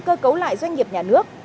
cơ cấu lại doanh nghiệp nhà nước